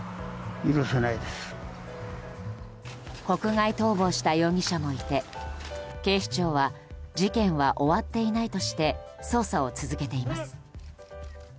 国外逃亡した容疑者もいて警視庁は事件は終わっていないとして捜査を続けています。